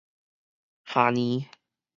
迒年